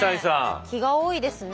ねえ気が多いですね。